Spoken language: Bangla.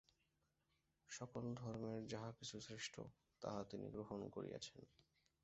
সকল ধর্মের যাহা কিছু শ্রেষ্ঠ, তাহা তিনি গ্রহণ করিয়াছেন।